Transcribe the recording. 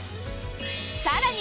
さらに！